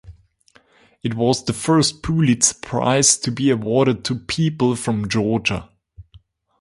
It was the first Pulitzer Prize to be awarded to people from Georgia.